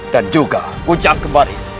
dan juga kujang kembar itu